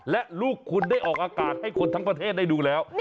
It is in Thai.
และลูกคุณได้ออกอากาศให้คนทั้งประเทศได้ดูแล้ว